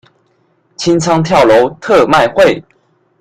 清倉跳樓特賣會